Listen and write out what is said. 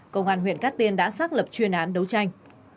công an huyện cát tiên đã xác lập chuyên án đấu tranh